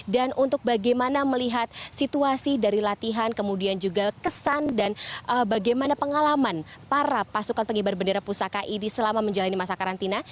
dan untuk bagaimana melihat situasi dari latihan kemudian juga kesan dan bagaimana pengalaman para pasukan pegibar bendera pusaka ini selama menjalani masa karantina